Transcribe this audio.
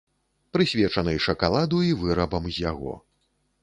Прысвечаны шакаладу і вырабам з яго.